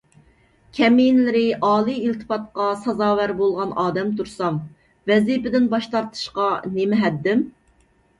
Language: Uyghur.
كەمىنىلىرى ئالىي ئىلتىپاتقا سازاۋەر بولغان ئادەم تۇرسام، ۋەزىپىدىن باش تارتىشقا نېمە ھەددىم؟